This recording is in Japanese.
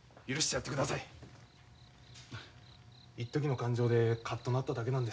いっときの感情でカッとなっただけなんです。